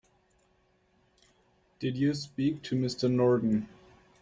Did you speak to Mr. Norton?